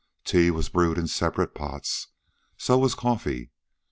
Tea was brewed in separate pots. So was coffee.